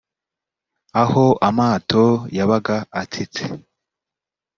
aho amato yabaga atsitse